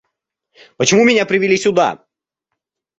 Почему меня привели сюда?